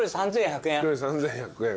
１人３，１００円。